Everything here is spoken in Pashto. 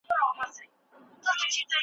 مسلکي ژورنالستان ښه پوهيږي